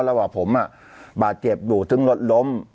ว่าผมบาดเจ็บอยู่ถึงรถล้ม